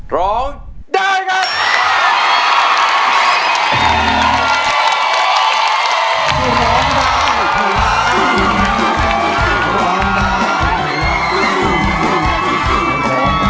ร้องได้กัน